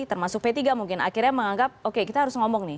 termasuk p tiga mungkin akhirnya menganggap oke kita harus ngomong nih